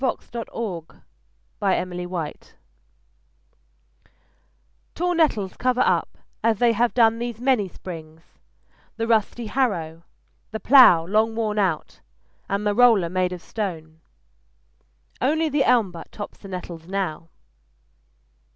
Edward Thomas Tall Nettles TALL nettles cover up, as they have done These many springs, the rusty harrow, the plough Long worn out, and the roller made of stone: Only the elm butt tops the nettles now.